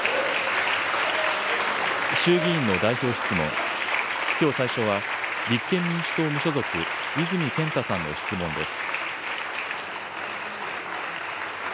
衆議院の代表質問、きょう最初は、立憲民主党・無所属、泉健太さんの質問です。